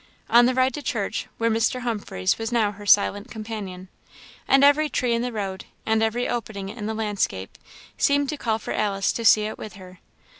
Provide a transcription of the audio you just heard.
On the ride to church, where Mr. Humphreys was now her silent companion, and every tree in the road, and every opening in the landscape, seemed to call for Alice to see it with her.